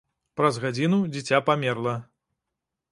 Праз гадзіну дзіця памерла.